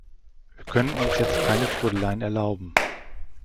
Wir können uns jetzt keine Trödeleien erlauben.